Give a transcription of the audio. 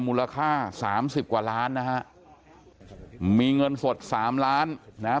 มูลค่าสามสิบกว่าล้านนะฮะมีเงินสดสามล้านนะฮะ